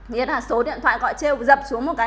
nghĩa là số điện thoại gọi treo dập xuống một cái